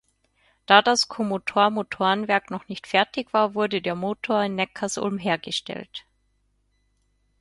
Da das Comotor-Motorenwerk noch nicht fertig war, wurde der Motor in Neckarsulm hergestellt.